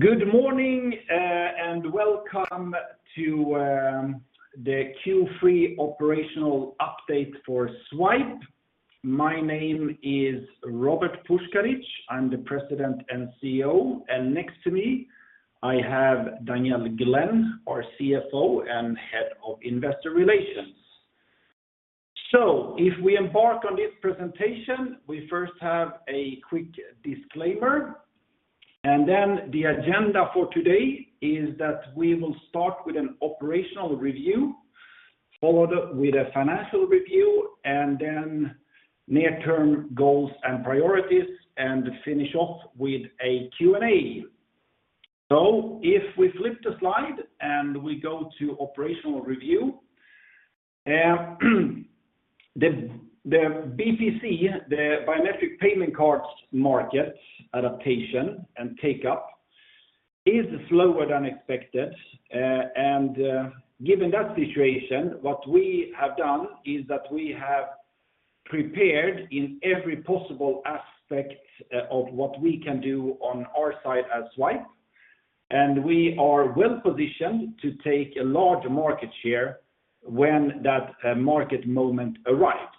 Good morning, and welcome to the Q3 operational update for Zwipe. My name is Robert Puskaric, I'm the President and CEO, and next to me, I have Danielle Glenn, our CFO and Head of Investor Relations. If we embark on this presentation, we first have a quick disclaimer, and then the agenda for today is that we will start with an operational review, followed with a financial review, and then near-term goals and priorities, and finish off with a Q&A. If we flip the slide and we go to operational review, the BCC, the Biometric Payment Cards market adaptation and take up is slower than expected. Given that situation, what we have done is that we have prepared in every possible aspect of what we can do on our side as Zwipe, and we are well-positioned to take a large market share when that market moment arrives.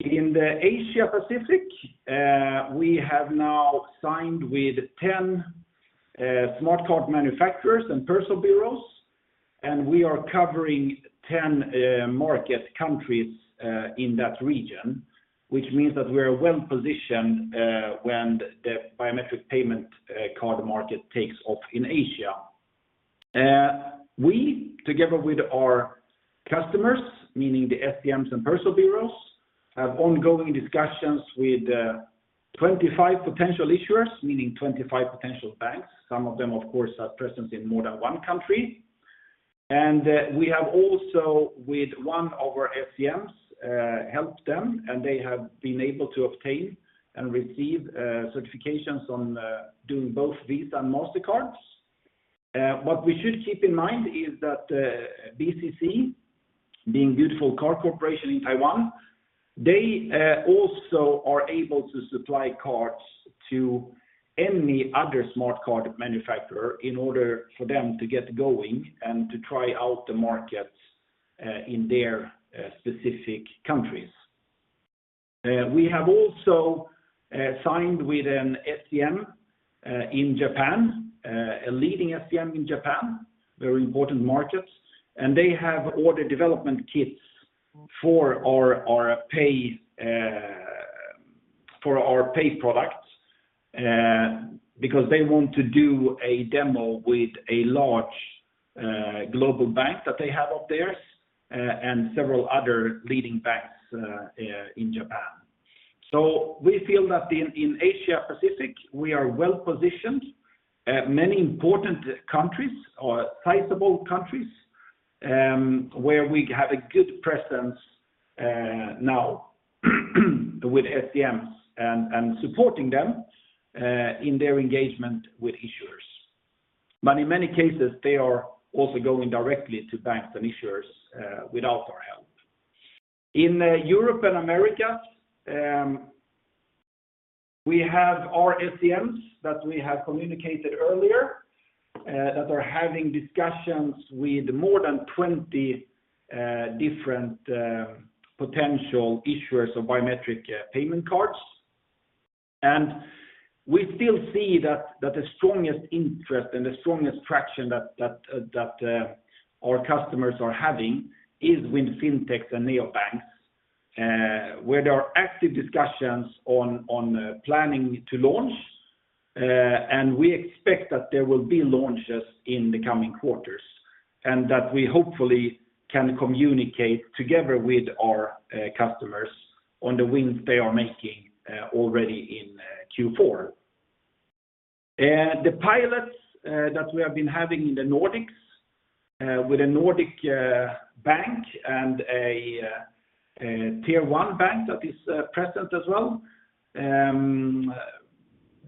In the Asia Pacific, we have now signed with 10 smart card manufacturers and personal bureaus, and we are covering 10 market countries in that region, which means that we are well-positioned when the biometric payment card market takes off in Asia. We, together with our customers, meaning the SCMs and personal bureaus, have ongoing discussions with 25 potential issuers, meaning 25 potential banks. Some of them, of course, have presence in more than one country. We have also, with one of our SCMs, helped them, and they have been able to obtain and receive certifications on doing both Visa and Mastercard. What we should keep in mind is that BCC, being Beautiful Card Corporation in Taiwan, they also are able to supply cards to any other smart card manufacturer in order for them to get going and to try out the markets in their specific countries. We have also signed with an SCM in Japan, a leading SCM in Japan, very important markets, and they have ordered development kits for our pay products because they want to do a demo with a large global bank that they have up there, and several other leading banks in Japan. So we feel that in Asia Pacific, we are well positioned, many important countries or sizable countries, where we have a good presence, now, with SCMs and supporting them in their engagement with issuers. But in many cases, they are also going directly to banks and issuers without our help. In Europe and America, we have our SCMs that we have communicated earlier, that are having discussions with more than 20 different potential issuers of biometric payment cards. And we still see that that the strongest interest and the strongest traction that that that our customers are having is with Fintechs and Neobanks, where there are active discussions on planning to launch. And we expect that there will be launches in the coming quarters, and that we hopefully can communicate together with our customers on the wins they are making already in Q4. The pilots that we have been having in the Nordics with a Nordic bank and a Tier One bank that is present as well.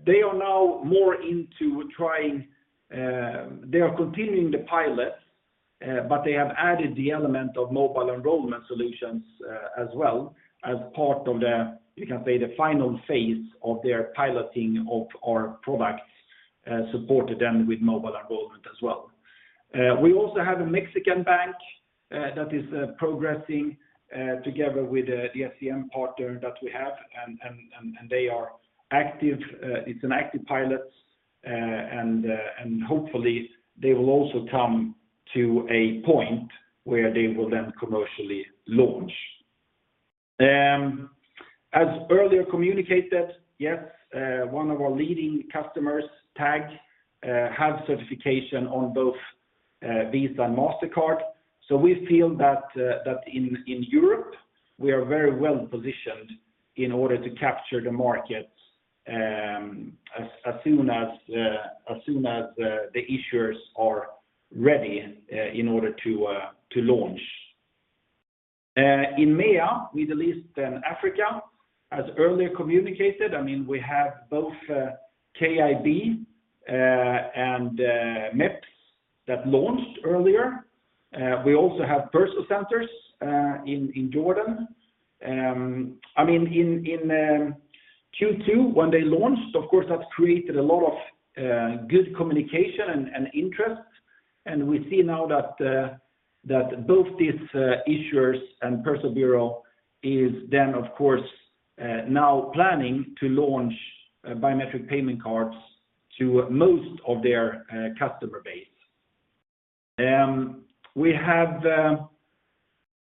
They are now more into trying, they are continuing the pilot, but they have added the element of mobile enrollment solutions as well as part of the, you can say, the final phase of their piloting of our product, supported them with mobile enrollment as well. We also have a Mexican bank that is progressing together with the SCM partner that we have, and they are active. It's an active pilot, and hopefully they will also come to a point where they will then commercially launch. As earlier communicated, yes, one of our leading customers, Tag, have certification on both Visa and Mastercard. So we feel that in Europe, we are very well positioned in order to capture the markets, as soon as the issuers are ready in order to launch. In MEA, Middle East and Africa, as earlier communicated, I mean, we have both KIB and MEPS that launched earlier. We also have personalization centers in Jordan in Q2, when they launched, of course, that's created a lot of good communication and interest. We see now that both these issuers and personal bureaus are now planning to launch biometric payment cards to most of their customer base. We have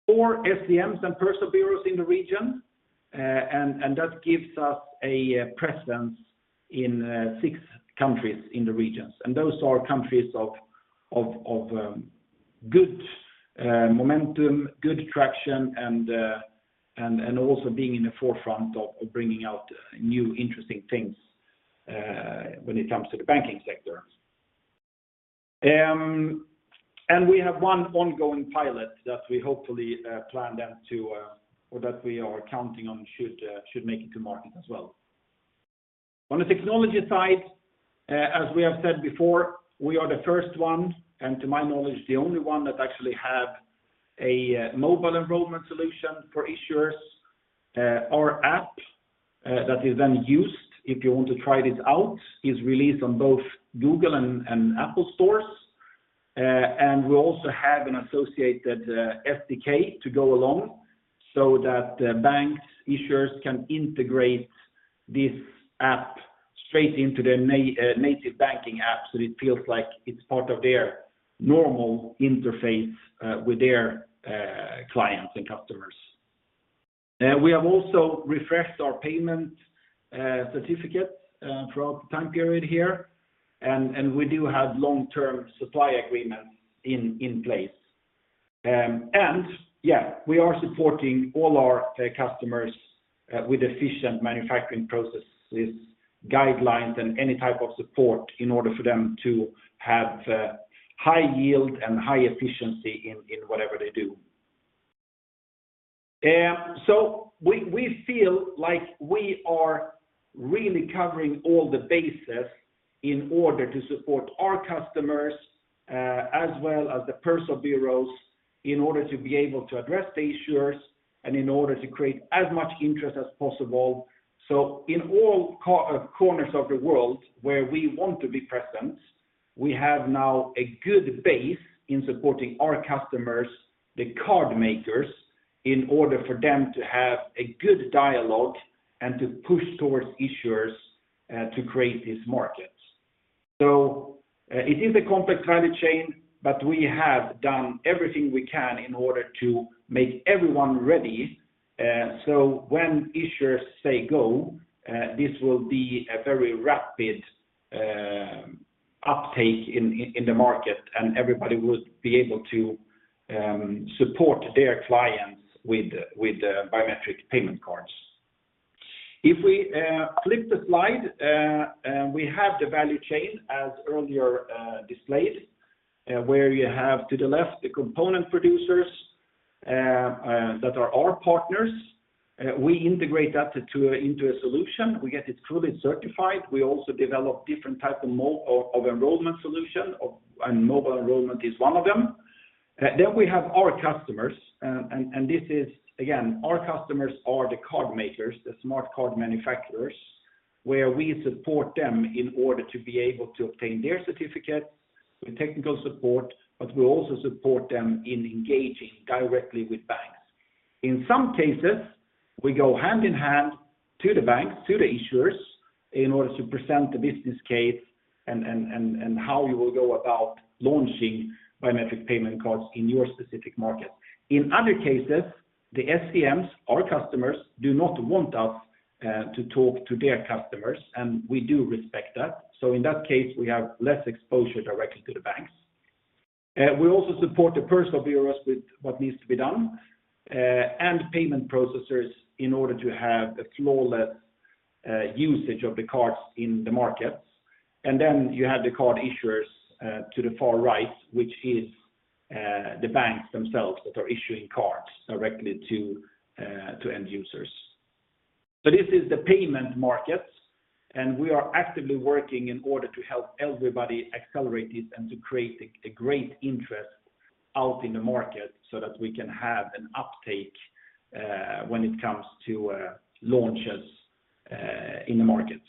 four SCMs and personal bureaus in the region, and that gives us a presence in six countries in the regions. Those are countries of good momentum, good traction, and also being in the forefront of bringing out new, interesting things when it comes to the banking sector. We have one ongoing pilot that we hopefully plan to, or that we are counting on, should make it to market as well. On the technology side, as we have said before, we are the first one, and to my knowledge, the only one that actually have a mobile enrollment solution for issuers. Our app that is then used, if you want to try this out, is released on both Google and Apple stores. And we also have an associated SDK to go along so that banks, issuers can integrate this app straight into their native banking app, so it feels like it's part of their normal interface with their clients and customers. We have also refreshed our payment certificate throughout the time period here, and we do have long-term supply agreements in place. Yeah, we are supporting all our customers with efficient manufacturing processes, guidelines, and any type of support in order for them to have high yield and high efficiency in whatever they do. So we feel like we are really covering all the bases in order to support our customers as well as the personal bureaus, in order to be able to address the issuers and in order to create as much interest as possible. So in all corners of the world where we want to be present, we have now a good base in supporting our customers, the card makers, in order for them to have a good dialogue and to push towards issuers to create these markets. So, it is a complex value chain, but we have done everything we can in order to make everyone ready, so when issuers say go, this will be a very rapid uptake in the market, and everybody would be able to support their clients with biometric payment cards. If we flip the slide, we have the value chain as earlier displayed, where you have to the left the component producers that are our partners. We integrate that into a solution. We get it fully certified. We also develop different types of enrollment solutions, and mobile enrollment is one of them. Then we have our customers, and this is, again, our customers are the card makers, the smart card manufacturers, where we support them in order to be able to obtain their certificate with technical support, but we also support them in engaging directly with banks. In some cases, we go hand in hand to the banks, to the issuers, in order to present the business case and how you will go about launching biometric payment cards in your specific market. In other cases, the SCMs, our customers, do not want us to talk to their customers, and we do respect that. So in that case, we have less exposure directly to the banks. We also support the personal bureaus with what needs to be done, and payment processors in order to have a flawless usage of the cards in the market. And then you have the card issuers to the far right, which is the banks themselves that are issuing cards directly to end users. So this is the payment market, and we are actively working in order to help everybody accelerate it and to create a great interest out in the market so that we can have an uptake when it comes to launches in the markets.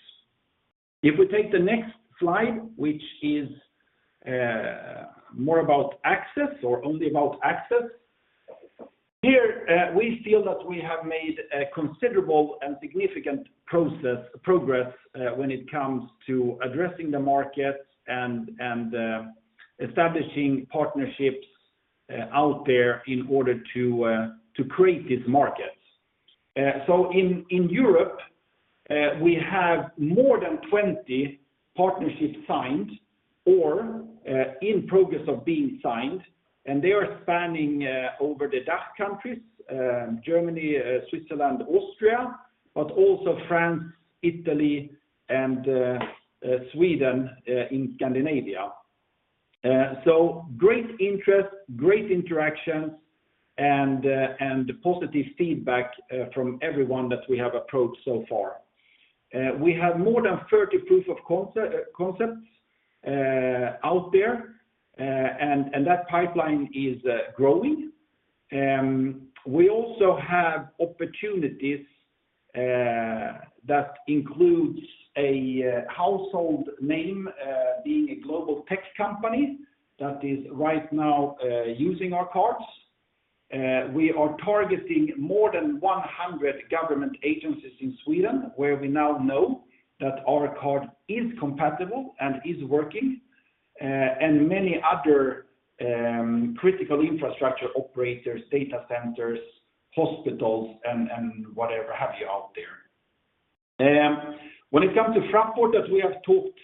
If we take the next slide, which is more about access or only about access. Here, we feel that we have made a considerable and significant progress when it comes to addressing the market and establishing partnerships out there in order to create this market. So in Europe, we have more than 20 partnerships signed or in progress of being signed, and they are spanning over the DACH countries, Germany, Switzerland, Austria, but also France, Italy, and Sweden in Scandinavia. So great interest, great interactions, and positive feedback from everyone that we have approached so far.... We have more than 30 proof of concept concepts out there, and that pipeline is growing. We also have opportunities that includes a household name being a global tech company that is right now using our cards. We are targeting more than 100 government agencies in Sweden, where we now know that our card is compatible and is working, and many other critical infrastructure operators, data centers, hospitals, and whatever have you out there. When it comes to Frankfurt, that we have talked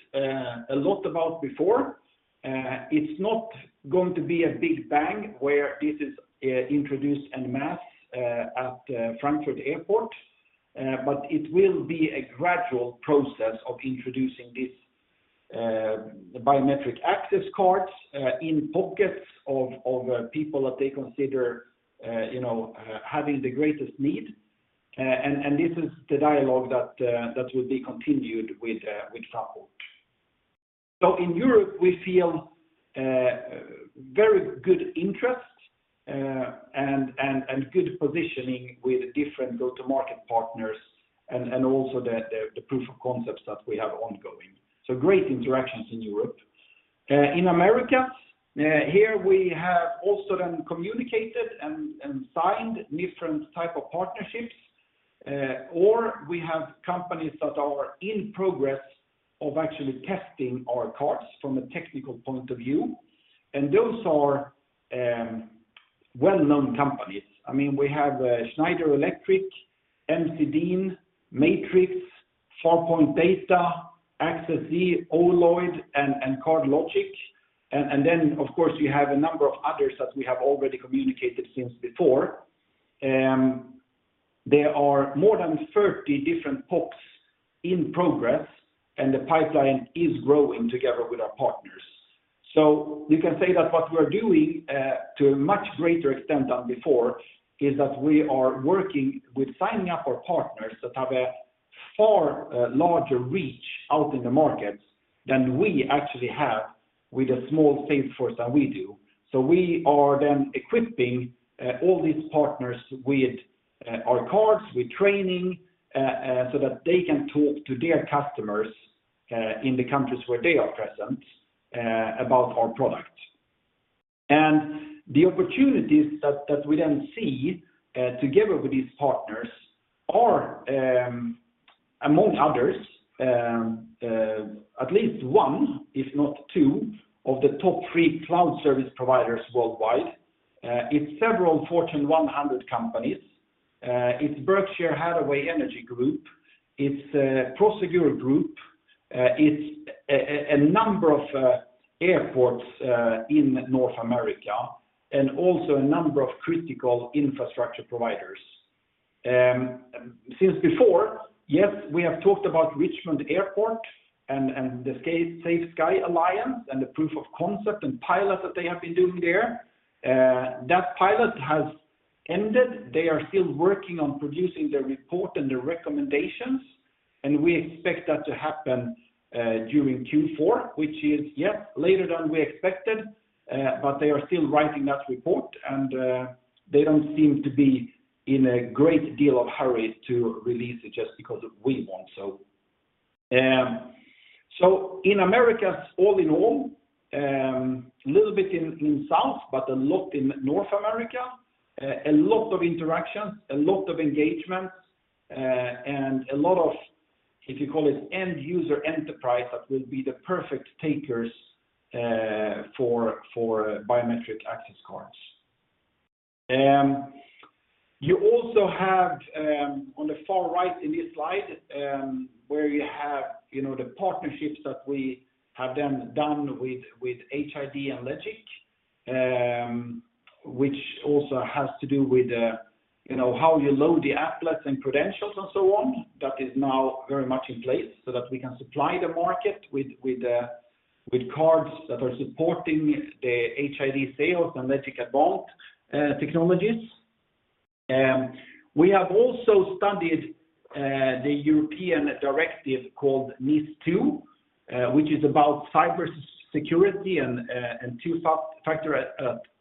a lot about before, it's not going to be a big bang where this is introduced en masse at Frankfurt Airport. But it will be a gradual process of introducing this biometric access cards in pockets of people that they consider you know having the greatest need. And this is the dialogue that that will be continued with with Fraport. So in Europe, we feel very good interest and good positioning with different go-to-market partners and also the proof of concepts that we have ongoing. So great interactions in Europe. In America, here we have also communicated and signed different type of partnerships, or we have companies that are in progress of actually testing our cards from a technical point of view. And those are well-known companies. I mean, we have Schneider Electric, M.C. Dean, Matrix, Farpointe Data, Access-IS, Oloid, and CardLogix. And then, of course, you have a number of others that we have already communicated since before. There are more than 30 different PoCs in progress, and the pipeline is growing together with our partners. So you can say that what we're doing, to a much greater extent than before, is that we are working with signing up our partners that have a far, larger reach out in the markets than we actually have with the small sales force that we do. So we are then equipping, all these partners with, our cards, with training, so that they can talk to their customers, in the countries where they are present, about our product. And the opportunities that we then see, together with these partners are, among others, at least one, if not two, of the top three cloud service providers worldwide. It's several Fortune 100 companies. It's Berkshire Hathaway Energy. It's Prosegur Group. It's a number of airports in North America, and also a number of critical infrastructure providers. Since before, yes, we have talked about Richmond Airport and the Safe Skies Alliance, and the proof of concept and pilot that they have been doing there. That pilot has ended. They are still working on producing their report and their recommendations, and we expect that to happen during Q4, which is, yep, later than we expected, but they are still writing that report, and they don't seem to be in a great deal of hurry to release it just because we want so. So in America, all in all, little bit in South, but a lot in North America, a lot of interactions, a lot of engagement, and a lot of, if you call it end user enterprise, that will be the perfect takers, for biometric access cards. You also have, on the far right in this slide, where you have, you know, the partnerships that we have then done with, with HID and LEGIC, which also has to do with the, you know, how you load the applets and credentials and so on. That is now very much in place so that we can supply the market with, with, cards that are supporting the HID sales and LEGIC advanced, technologies. We have also studied the European directive called NIS2, which is about cybersecurity and two-factor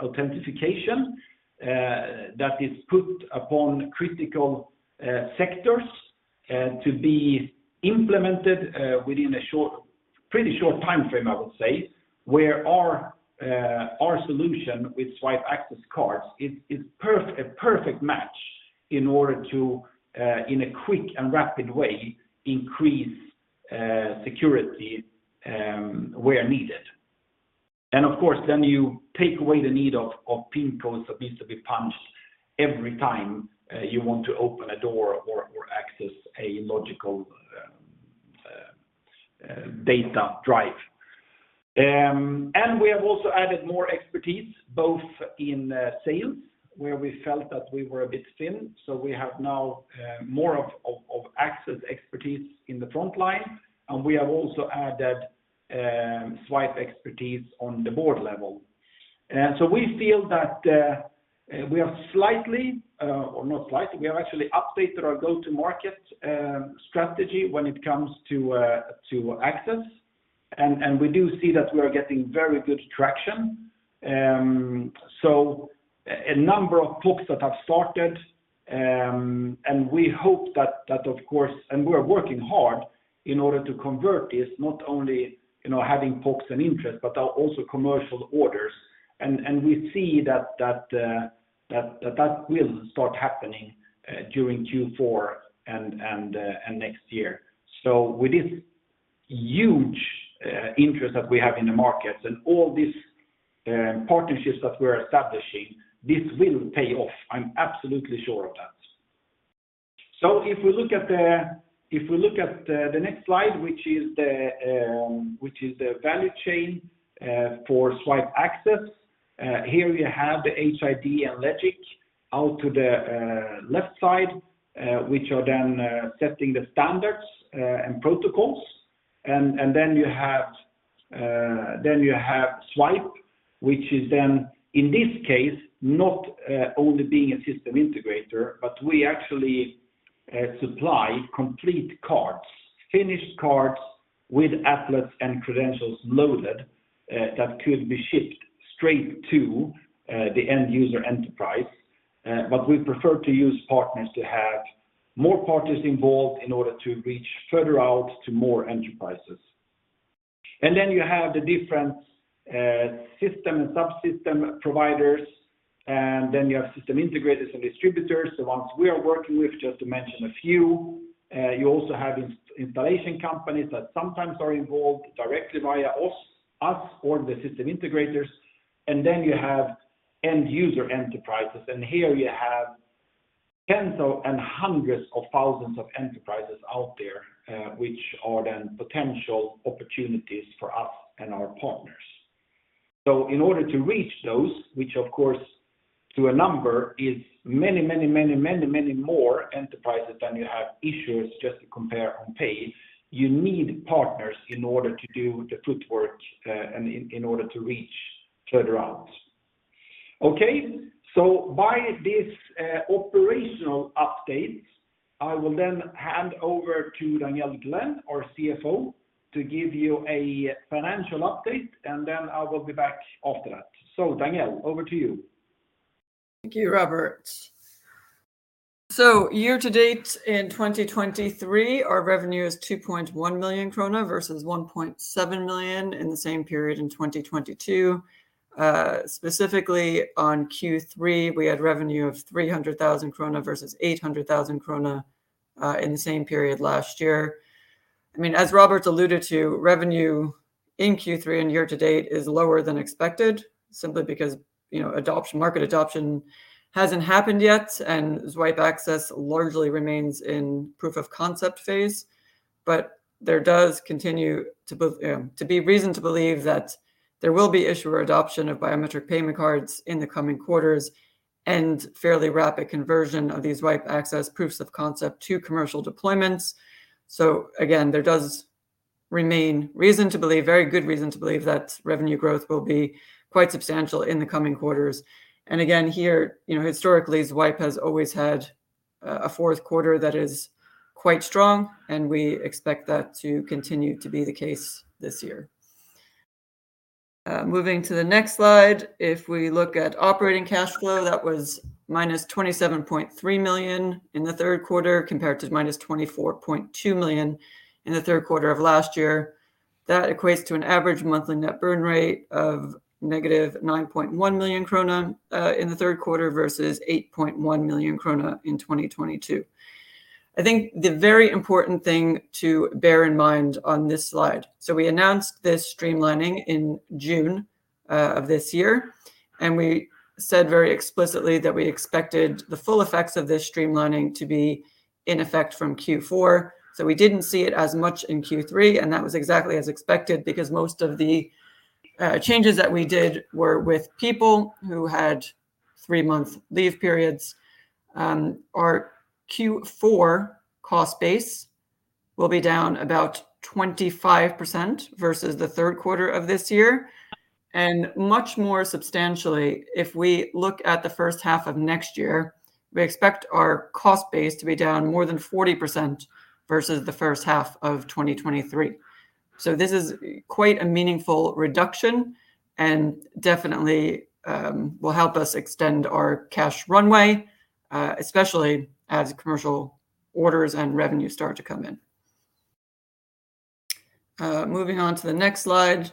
authentication that is put upon critical sectors to be implemented within a short, pretty short time frame, I would say. Where our solution with Zwipe Access cards is perfect, a perfect match in order to, in a quick and rapid way, increase security where needed. And of course, then you take away the need of PIN codes that needs to be punched every time you want to open a door or access a logical data drive. And we have also added more expertise, both in sales, where we felt that we were a bit thin. So we have now more of access expertise in the front line, and we have also added Zwipe expertise on the board level. And so we feel that we are slightly, or not slightly, we have actually updated our go-to-market strategy when it comes to access. And we do see that we are getting very good traction. So a number of talks that have started, and we hope that of course, and we are working hard in order to convert this, not only, you know, having talks and interest, but also commercial orders. And we see that that will start happening during Q4 and next year. So with this huge interest that we have in the markets and all these partnerships that we're establishing, this will pay off. I'm absolutely sure of that. So if we look at the next slide, which is the value chain for Zwipe Access, here we have the HID and LEGIC out to the left side, which are then setting the standards and protocols. And then you have Zwipe, which is then, in this case, not only being a system integrator, but we actually supply complete cards, finished cards with applets and credentials loaded, that could be shipped straight to the end user enterprise. But we prefer to use partners to have more parties involved in order to reach further out to more enterprises. And then you have the different system and subsystem providers, and then you have system integrators and distributors, the ones we are working with, just to mention a few. You also have installation companies that sometimes are involved directly via us or the system integrators. And then you have end user enterprises. And here you have tens and hundreds of thousands of enterprises out there, which are then potential opportunities for us and our partners. So in order to reach those, which of course, to a number is many, many, many, many, many more enterprises than you have issuers just to compare on pay, you need partners in order to do the footwork, and in order to reach further out. Okay, so by this operational update, I will then hand over to Danielle Glenn, our CFO, to give you a financial update, and then I will be back after that. So Danielle, over to you. Thank you, Robert. So year to date in 2023, our revenue is 2.1 million krona versus 1.7 million in the same period in 2022. Specifically on Q3, we had revenue of 300,000 krona versus 800,000 krona in the same period last year. I mean, as Robert alluded to, revenue in Q3 and year to date is lower than expected, simply because, you know, adoption, market adoption hasn't happened yet, and Zwipe Access largely remains in proof of concept phase. But there does continue to both to be reason to believe that there will be issuer adoption of biometric payment cards in the coming quarters, and fairly rapid conversion of these Zwipe Access proofs of concept to commercial deployments. Again, there does remain reason to believe, very good reason to believe that revenue growth will be quite substantial in the coming quarters. Here, you know, historically, Zwipe has always had a fourth quarter that is quite strong, and we expect that to continue to be the case this year. Moving to the next slide, if we look at operating cash flow, that was 27.3 million in the third quarter, compared to 24.2 million in the third quarter of last year. That equates to an average monthly net burn rate of negative 9.1 million krone in the third quarter, versus 8.1 million krone in 2022. I think the very important thing to bear in mind on this slide, so we announced this streamlining in June of this year, and we said very explicitly that we expected the full effects of this streamlining to be in effect from Q4. So we didn't see it as much in Q3, and that was exactly as expected, because most of the changes that we did were with people who had three-month leave periods. Our Q4 cost base will be down about 25% versus the third quarter of this year. And much more substantially, if we look at the first half of next year, we expect our cost base to be down more than 40% versus the first half of 2023. So this is quite a meaningful reduction and definitely will help us extend our cash runway, especially as commercial orders and revenue start to come in. Moving on to the next slide.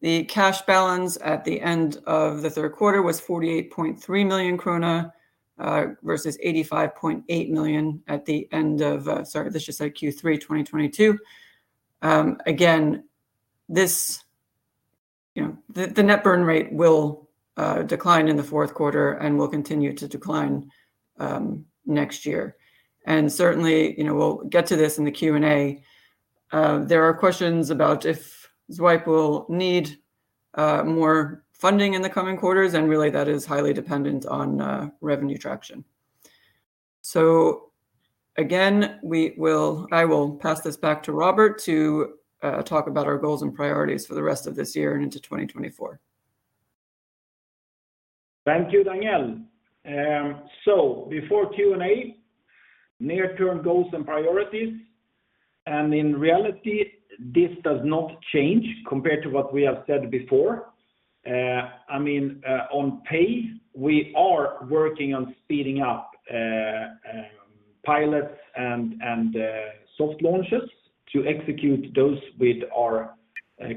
The cash balance at the end of the third quarter was 48.3 million krone, versus 85.8 million at the end of, Sorry, this is just Q3 2022. Again, this, you know, the net burn rate will decline in the fourth quarter and will continue to decline next year. And certainly, you know, we'll get to this in the Q&A, there are questions about if Zwipe will need more funding in the coming quarters, and really, that is highly dependent on revenue traction. So again, I will pass this back to Robert to talk about our goals and priorities for the rest of this year and into 2024. Thank you, Danielle. So before Q&A, near-term goals and priorities, and in reality, this does not change compared to what we have said before. I mean, on pay, we are working on speeding up pilots and soft launches to execute those with our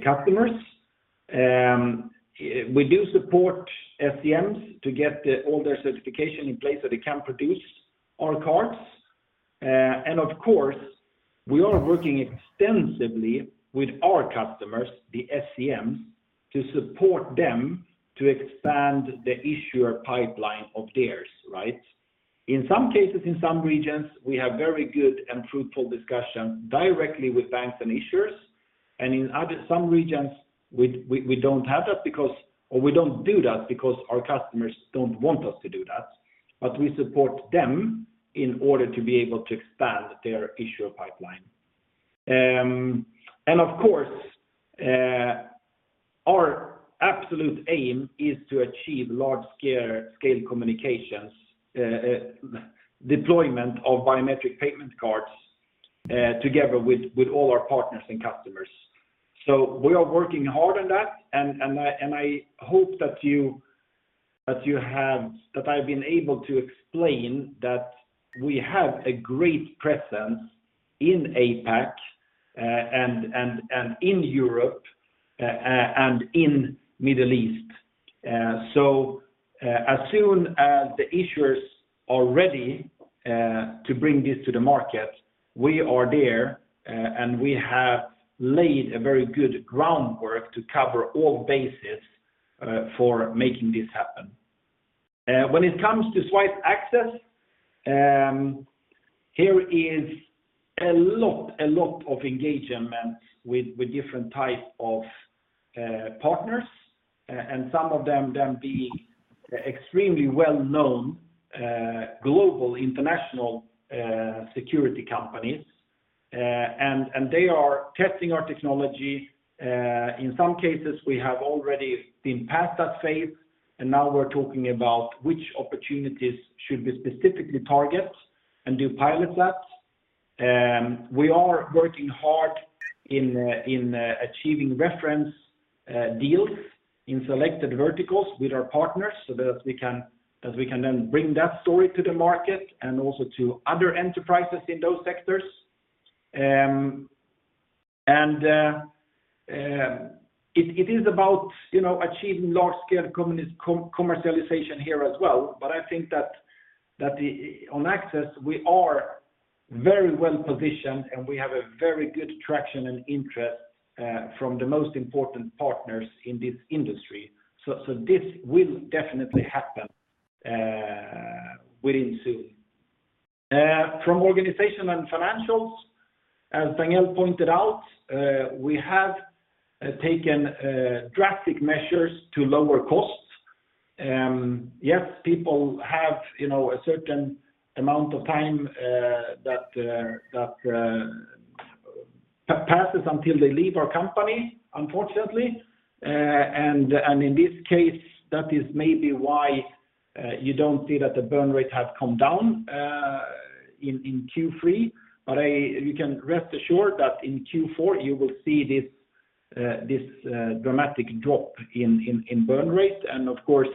customers. We do support SCMs to get all their certification in place so they can produce our cards. And of course, we are working extensively with our customers, the SCMs, to support them to expand the issuer pipeline of theirs, right? In some cases, in some regions, we have very good and fruitful discussion directly with banks and issuers, and in other regions, we don't have that because our customers don't want us to do that, but we support them in order to be able to expand their issuer pipeline. And of course, our absolute aim is to achieve large-scale commercial deployment of biometric payment cards together with all our partners and customers. So we are working hard on that, and I hope that I've been able to explain that we have a great presence in APAC and in Europe and in Middle East. So, as soon as the issuers are ready to bring this to the market, we are there, and we have laid a very good groundwork to cover all bases for making this happen. When it comes to Zwipe Access, there is a lot of engagement with different type of partners, and some of them being extremely well-known global, international security companies. And they are testing our technology. In some cases, we have already been past that phase, and now we're talking about which opportunities should we specifically target and do pilot labs. We are working hard in achieving reference deals in selected verticals with our partners so that we can then bring that story to the market and also to other enterprises in those sectors. It is about, you know, achieving large-scale commercialization here as well, but I think that the on access, we are very well positioned, and we have a very good traction and interest from the most important partners in this industry. This will definitely happen within soon. From organization and financials, as Danielle pointed out, we have taken drastic measures to lower costs. Yes, people have, you know, a certain amount of time that passes until they leave our company, unfortunately. And in this case, that is maybe why you don't see that the burn rate has come down in Q3. But you can rest assured that in Q4, you will see this dramatic drop in burn rate. And of course,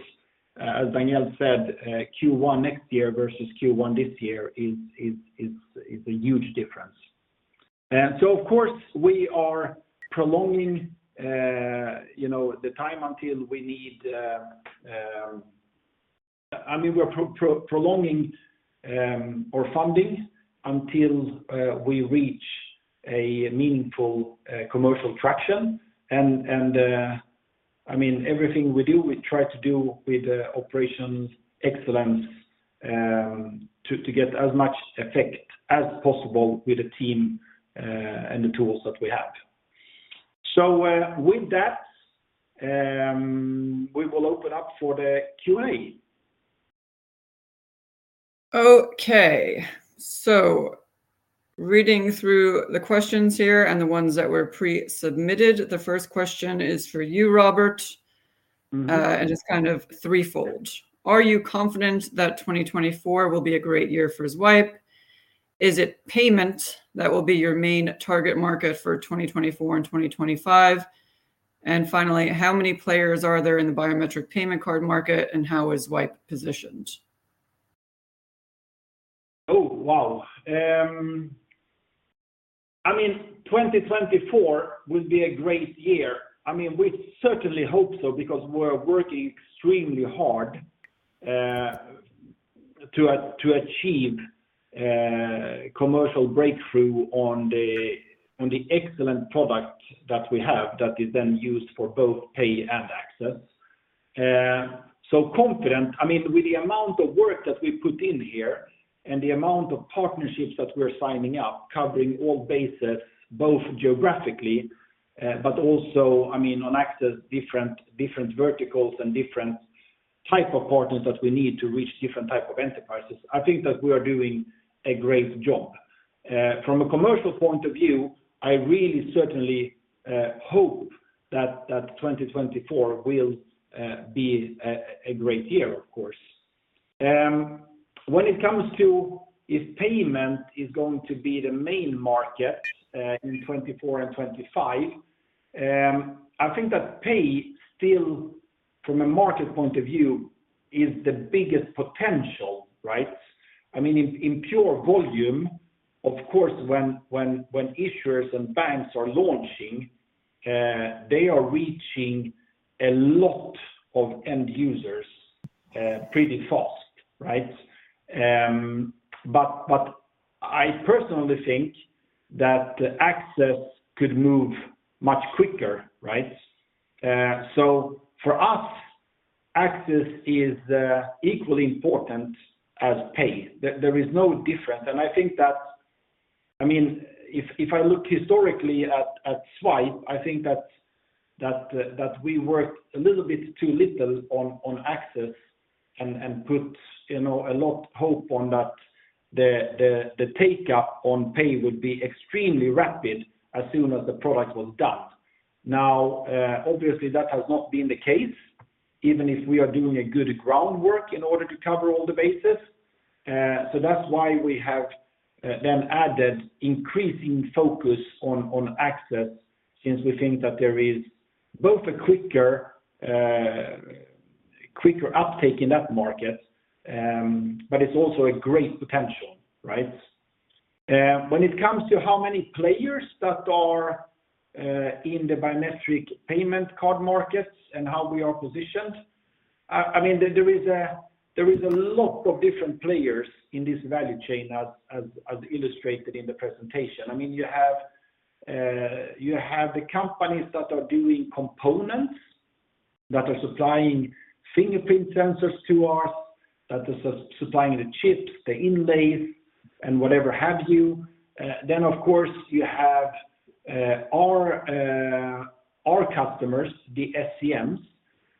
as Danielle said, Q1 next year versus Q1 this year is a huge difference. And so, of course, we are prolonging you know the time until we need. I mean, we're prolonging our funding until we reach a meaningful commercial traction. And I mean, everything we do, we try to do with operations excellence to get as much effect as possible with the team and the tools that we have. So, with that, we will open up for the Q&A. Okay, so reading through the questions here and the ones that were pre-submitted, the first question is for you, Robert. Mm-hmm. It's kind of threefold. Are you confident that 2024 will be a great year for Zwipe? Is it payment that will be your main target market for 2024 and 2025? And finally, how many players are there in the biometric payment card market, and how is Zwipe positioned? Oh, wow! I mean, 2024 will be a great year. I mean, we certainly hope so because we're working extremely hard to achieve commercial breakthrough on the excellent product that we have that is then used for both Pay and Access. So confident, I mean, with the amount of work that we put in here and the amount of partnerships that we're signing up, covering all bases, both geographically, but also, I mean, on access, different verticals and different type of partners that we need to reach different type of enterprises, I think that we are doing a great job. From a commercial point of view, I really certainly hope that 2024 will be a great year, of course. When it comes to if payment is going to be the main market, in 2024 and 2025, I think that pay still, from a market point of view, is the biggest potential, right? I mean, in pure volume, of course, when issuers and banks are launching, they are reaching a lot of end users, pretty fast, right? But I personally think that access could move much quicker, right? So for us, access is equally important as pay. There is no difference, and I think that—I mean, if I look historically at Zwipe, I think that we worked a little bit too little on access and put, you know, a lot hope on that the take up on pay would be extremely rapid as soon as the product was done. Now, obviously, that has not been the case, even if we are doing a good groundwork in order to cover all the bases. So that's why we have then added increasing focus on access, since we think that there is both a quicker uptake in that market, but it's also a great potential, right? When it comes to how many players that are in the biometric payment card markets and how we are positioned, I mean, there is a lot of different players in this value chain, as illustrated in the presentation. I mean, you have the companies that are doing components, that are supplying fingerprint sensors to us, that is supplying the chips, the inlays, and whatever have you. Then, of course, you have our customers, the SCMs,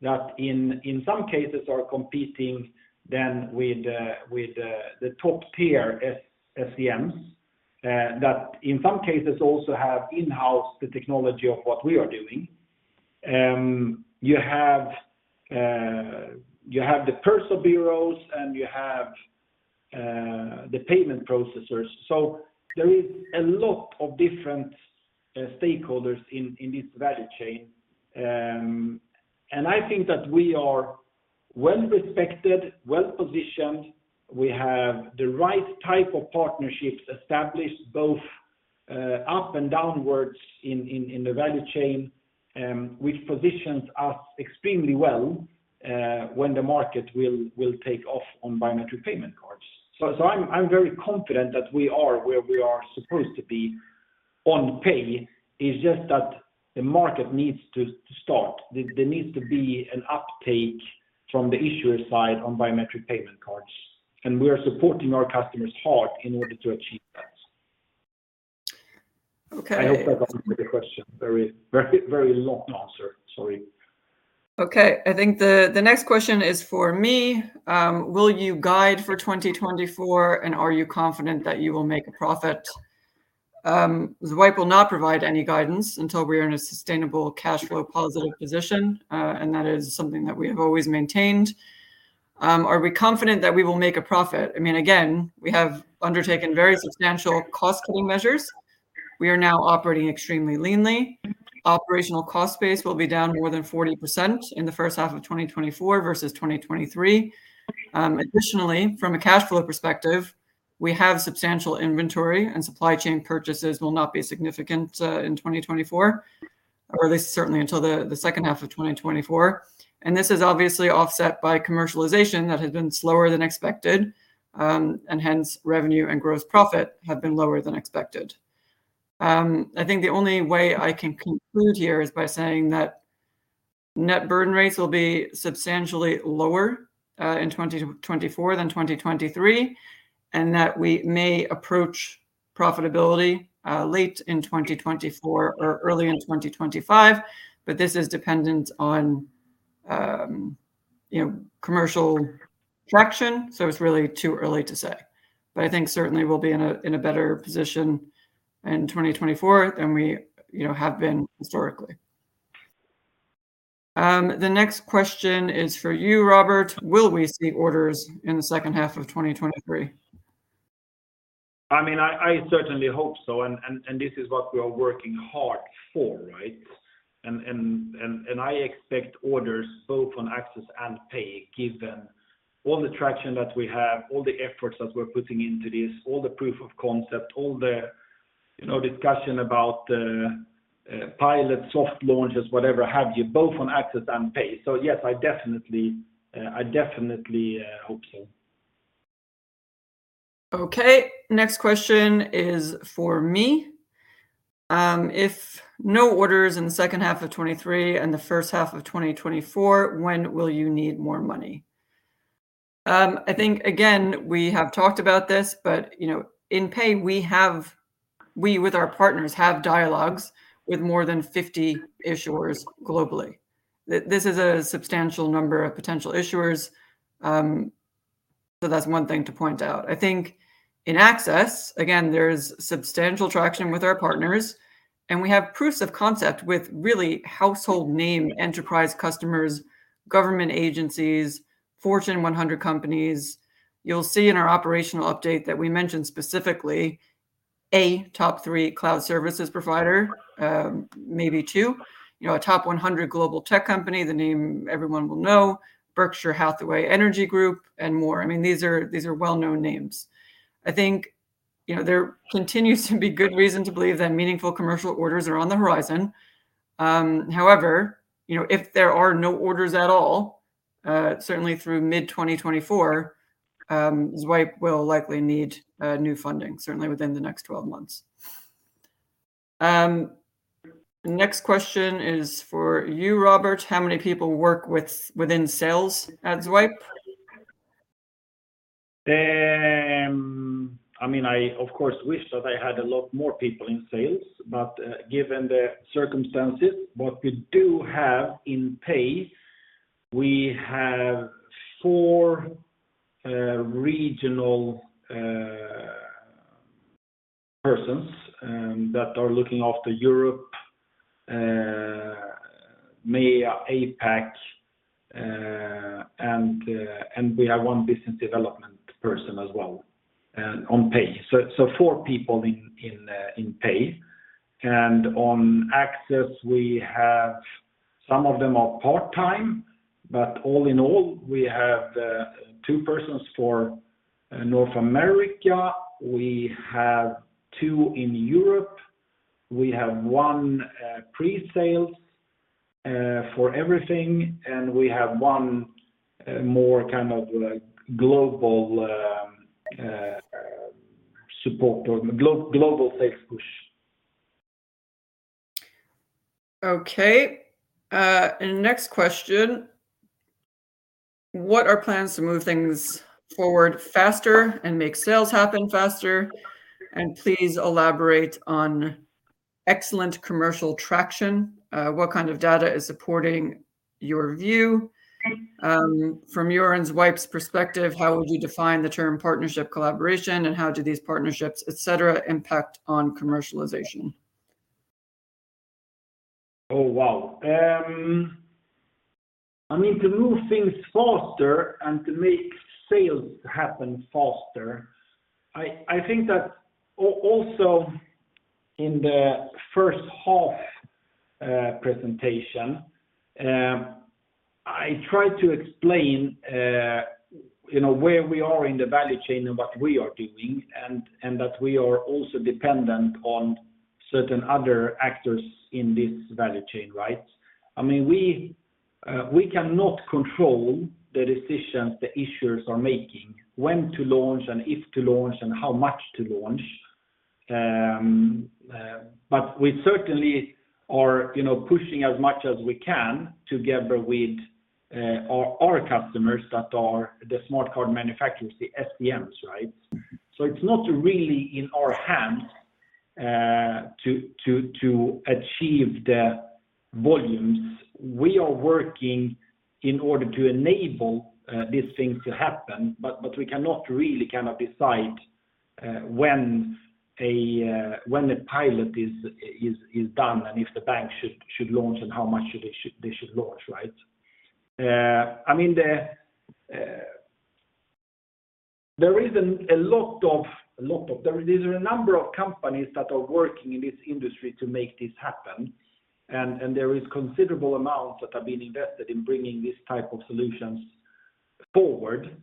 that in some cases are competing then with the top-tier SCMs, that in some cases also have in-house the technology of what we are doing. You have the personal bureaus, and you have the payment processors. So there is a lot of different stakeholders in this value chain. And I think that we are well respected, well positioned. We have the right type of partnerships established, both up and downwards in the value chain, which positions us extremely well when the market will take off on biometric payment cards. So I'm very confident that we are where we are supposed to be on pay. It's just that the market needs to start. There needs to be an uptake from the issuer side on biometric payment cards, and we are supporting our customers hard in order to achieve that. Okay. I hope I've answered the question. Very, very, very long answer. Sorry. Okay, I think the next question is for me. Will you guide for 2024, and are you confident that you will make a profit? Zwipe will not provide any guidance until we are in a sustainable cash flow positive position, and that is something that we have always maintained. Are we confident that we will make a profit? I mean, again, we have undertaken very substantial cost-cutting measures. We are now operating extremely leanly. Operational cost base will be down more than 40% in the first half of 2024 versus 2023. Additionally, from a cash flow perspective, we have substantial inventory, and supply chain purchases will not be significant in 2024, or at least certainly until the second half of 2024. This is obviously offset by commercialization that has been slower than expected, and hence, revenue and gross profit have been lower than expected. I think the only way I can conclude here is by saying that net burn rates will be substantially lower in 2024 than 2023, and that we may approach profitability late in 2024 or early in 2025, but this is dependent on, you know, commercial traction, so it's really too early to say. But I think certainly we'll be in a, in a better position in 2024 than we, you know, have been historically. The next question is for you, Robert: Will we see orders in the second half of 2023? I mean, I certainly hope so, and this is what we are working hard for, right? And I expect orders both on access and pay, given all the traction that we have, all the efforts that we're putting into this, all the proof of concept, all the, you know, discussion about pilot, soft launches, whatever have you, both on access and pay. So yes, I definitely hope so. Okay. Next question is for me. If no orders in the second half of 2023 and the first half of 2024, when will you need more money? I think, again, we have talked about this, but, you know, in Pay, we have, we with our partners, have dialogues with more than 50 issuers globally. This is a substantial number of potential issuers, so that's one thing to point out. I think in Access, again, there's substantial traction with our partners, and we have proofs of concept with really household name, enterprise customers, government agencies, Fortune 100 companies. You'll see in our operational update that we mentioned specifically a top 3 cloud services provider, maybe two, you know, a top 100 global tech company, the name everyone will know, Berkshire Hathaway Energy, and more. I mean, these are, these are well-known names. I think, you know, there continues to be good reason to believe that meaningful commercial orders are on the horizon. However, you know, if there are no orders at all, certainly through mid-2024, Zwipe will likely need new funding, certainly within the next twelve months. Next question is for you, Robert: How many people work within sales at Zwipe? I mean, I of course wish that I had a lot more people in sales, but given the circumstances, what we do have in pay, we have four regional persons that are looking after Europe, MEA, APAC, and we have one business development person as well on pay. So four people in pay. And on access, we have some of them are part-time, but all in all, we have two persons for North America, we have two in Europe, we have one pre-sales for everything, and we have one more kind of like global support or global sales push. Okay. Next question: What are plans to move things forward faster and make sales happen faster? Please elaborate on excellent commercial traction. What kind of data is supporting your view, from your and Zwipe's perspective, how would you define the term partnership collaboration, and how do these partnerships, et cetera, impact on commercialization? Oh, wow! I mean, to move things faster and to make sales happen faster, I think that also in the first half presentation, I tried to explain, you know, where we are in the value chain and what we are doing, and that we are also dependent on certain other actors in this value chain, right? I mean, we cannot control the decisions the issuers are making, when to launch and if to launch and how much to launch. But we certainly are, you know, pushing as much as we can together with our customers that are the smart card manufacturers, the SDMs, right? So it's not really in our hands to achieve the volumes. We are working in order to enable these things to happen, but we cannot really kind of decide when a pilot is done and if the bank should launch and how much they should launch, right? I mean, there is a number of companies that are working in this industry to make this happen, and there is considerable amounts that have been invested in bringing this type of solutions forward.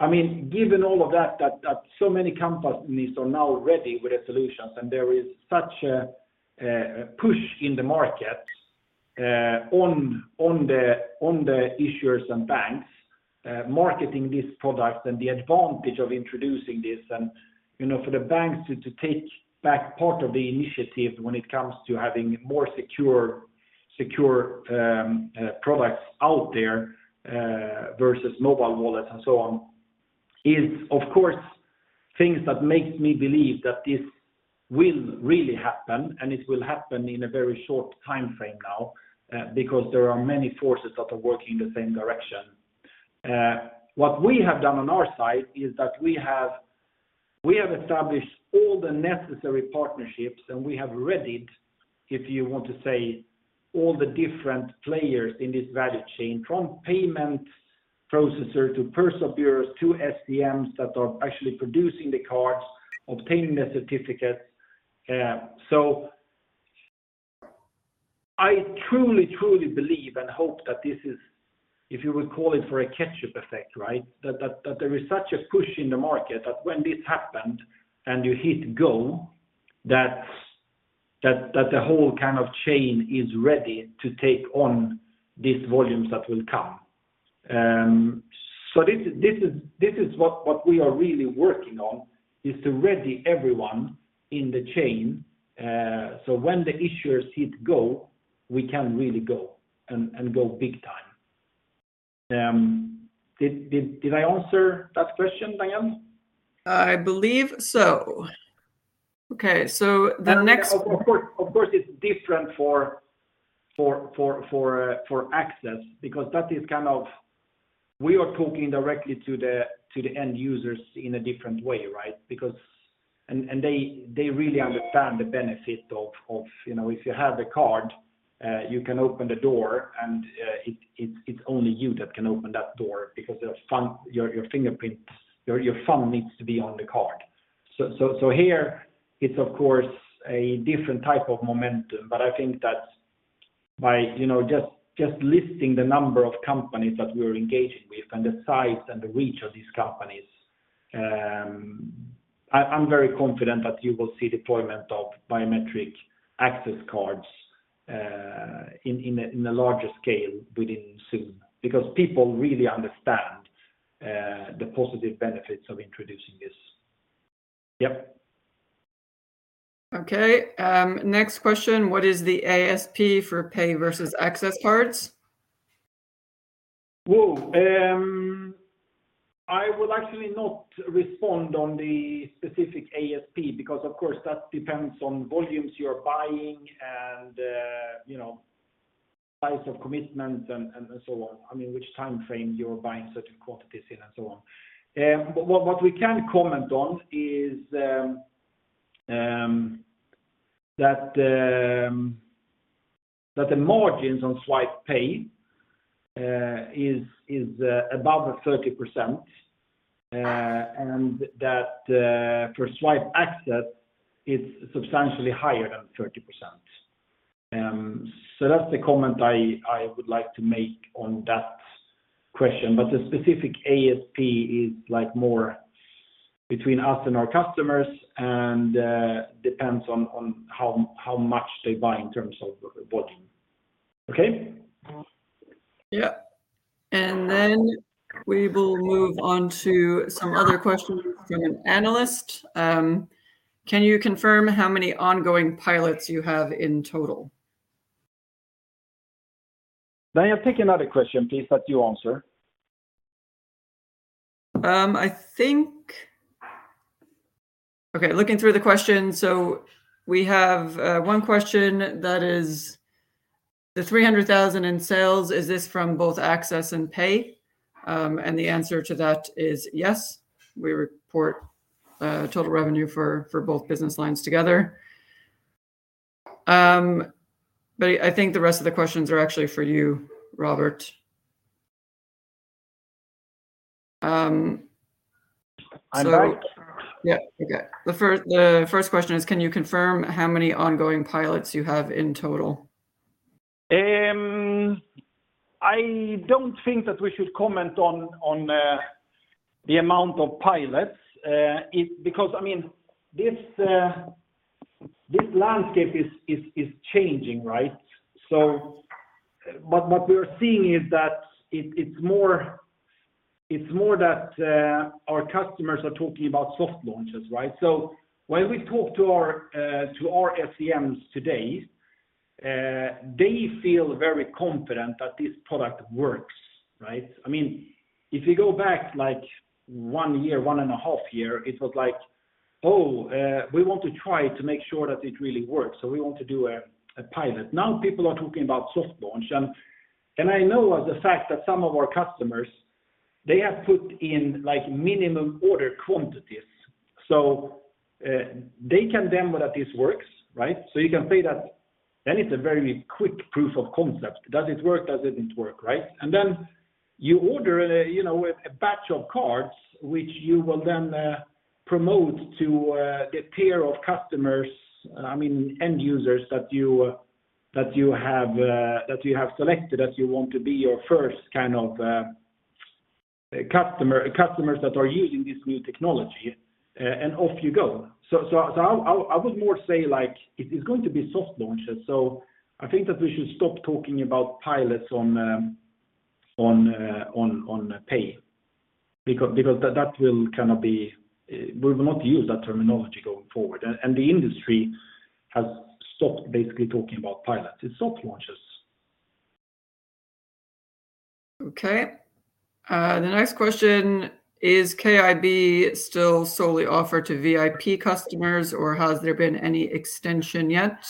I mean, given all of that, that so many companies are now ready with the solutions, and there is such a push in the market on the issuers and banks marketing this product and the advantage of introducing this and, you know, for the banks to take back part of the initiative when it comes to having more secure products out there versus mobile wallets and so on, is, of course, things that makes me believe that this will really happen, and it will happen in a very short time frame now because there are many forces that are working in the same direction. What we have done on our side is that we have established all the necessary partnerships, and we have readied, if you want to say, all the different players in this value chain, from payment processor to purse bureaus, to SDMs that are actually producing the cards, obtaining the certificates. So I truly, truly believe and hope that this is, if you would call it, a catch-up effect, right? That there is such a push in the market, that when this happened and you hit go, that the whole kind of chain is ready to take on these volumes that will come. So this is what we are really working on, is to ready everyone in the chain, so when the issuers hit go, we can really go and go big time. Did I answer that question, Diane? I believe so. Okay, so the next- Of course, it's different for access, because that is kind of, we are talking directly to the end users in a different way, right? Because... And they really understand the benefit of, you know, if you have the card, you can open the door, and it's only you that can open that door because your thumb, your fingerprint, your thumb needs to be on the card. Here, it's of course a different type of momentum, but I think that by, you know, just listing the number of companies that we're engaging with and the size and the reach of these companies, I'm very confident that you will see deployment of biometric access cards in a larger scale within soon, because people really understand the positive benefits of introducing this. Yep. Okay, next question: What is the ASP for pay versus access cards? Whoa! I will actually not respond on the specific ASP, because of course, that depends on volumes you're buying and, you know, size of commitment and, so on. I mean, which time frame you're buying such quantities in and so on. But what we can comment on is, that the margins on Zwipe Pay is above 30%, and that, for Zwipe Access is substantially higher than 30%. So that's the comment I would like to make on that question, but the specific ASP is like more between us and our customers, and, depends on how much they buy in terms of volume. Okay? Yeah. Then we will move on to some other questions from an analyst. Can you confirm how many ongoing pilots you have in total? Diane, pick another question, please, that you answer. I think... Okay, looking through the questions. So we have one question that is, the 300,000 in sales, is this from both access and pay? And the answer to that is yes. We report total revenue for both business lines together. But I think the rest of the questions are actually for you, Robert. So- I'm back. Yeah. Okay. The first question is, can you confirm how many ongoing pilots you have in total? I don't think that we should comment on the amount of pilots because I mean, this landscape is changing, right? So but what we are seeing is that it's more that our customers are talking about soft launches, right? So when we talk to our SCMs today, they feel very confident that this product works, right? I mean, if you go back like one year, one and a half year, it was like, "Oh, we want to try to make sure that it really works, so we want to do a pilot." Now, people are talking about soft launch, and I know of the fact that some of our customers, they have put in like minimum order quantities, so they can demo that this works, right? So you can say that then it's a very quick proof of concept. Does it work? Does it not work, right? And then you order, you know, a batch of cards, which you will then promote to the pair of customers, I mean, end users that you, that you have, that you have selected as you want to be your first kind of customer, customers that are using this new technology, and off you go. So I would more say like it is going to be soft launches, so I think that we should stop talking about pilots on pay, because that will kind of we will not use that terminology going forward. And the industry has stopped basically talking about pilots. It's soft launches. Okay. The next question: Is KIB still solely offered to VIP customers, or has there been any extension yet?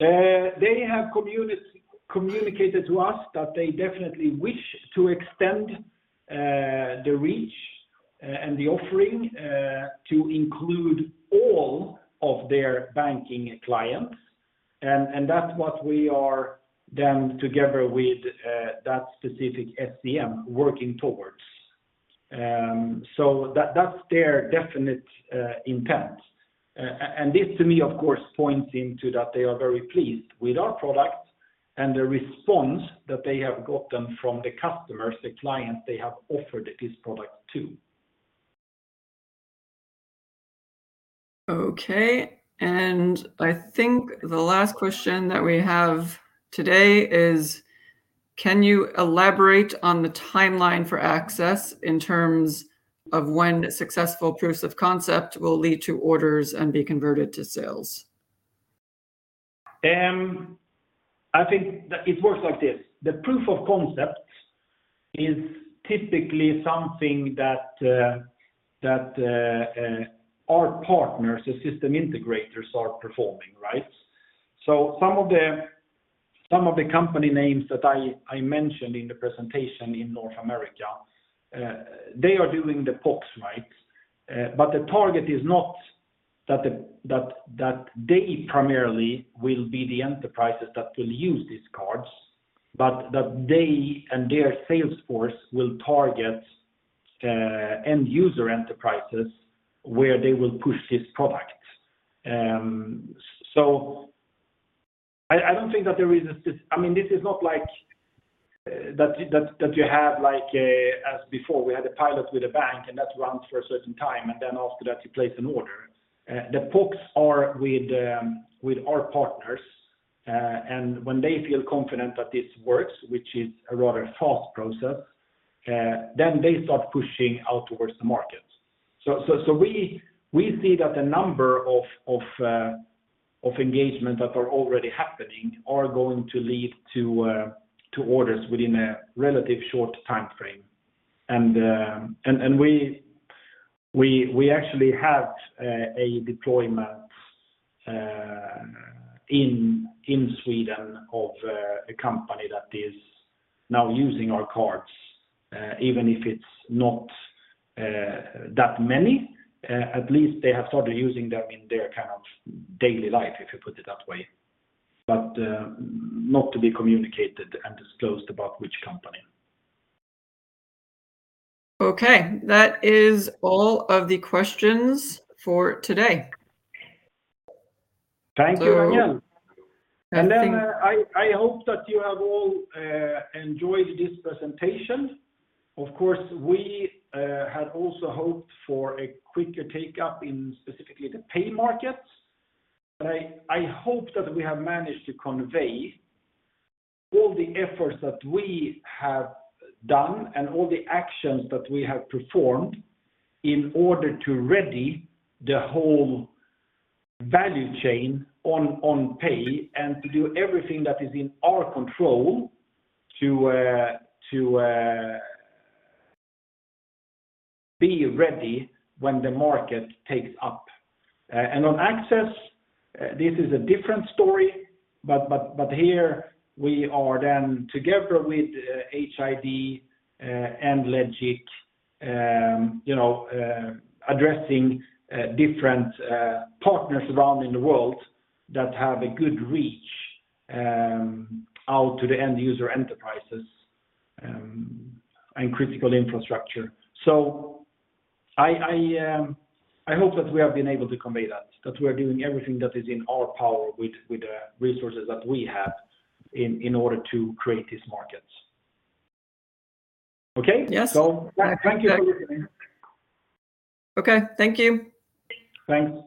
They have communicated to us that they definitely wish to extend the reach and the offering to include all of their banking clients, and that's what we are then together with that specific SCM working towards. So that, that's their definite intent. And this to me, of course, points into that they are very pleased with our product and the response that they have gotten from the customers, the clients they have offered this product to. Okay, and I think the last question that we have today is: Can you elaborate on the timeline for access in terms of when successful proofs of concept will lead to orders and be converted to sales? I think that it works like this. The proof of concept is typically something that our partners, the system integrators, are performing, right? Some of the company names that I mentioned in the presentation in North America, they are doing the POCs, right? The target is not that they primarily will be the enterprises that will use these cards, but that they and their sales force will target end user enterprises where they will push this product. I don't think that there is a sys- I mean, this is not like that you have like a, as before, we had a pilot with a bank, and that runs for a certain time, and then after that, you place an order. The PoCs are with our partners. And when they feel confident that this works, which is a rather fast process, then they start pushing out towards the market. So we see that the number of engagements that are already happening are going to lead to orders within a relatively short time frame. And we actually have a deployment in Sweden of a company that is now using our cards, even if it's not that many, at least they have started using them in their kind of daily life, if you put it that way. But not to be communicated and disclosed about which company. Okay. That is all of the questions for today. Thank you, Danielle. So nothing- I hope that you have all enjoyed this presentation. Of course, we had also hoped for a quicker take-up in specifically the pay markets. But I hope that we have managed to convey all the efforts that we have done and all the actions that we have performed in order to ready the whole value chain on pay and to do everything that is in our control to be ready when the market takes up. And on access, this is a different story, but here we are then together with HID and LEGIC, you know, addressing different partners around in the world that have a good reach out to the end user enterprises and critical infrastructure. So I hope that we have been able to convey that we are doing everything that is in our power with the resources that we have in order to create these markets. Okay? Yes. Thank you for listening. Okay. Thank you. Thanks.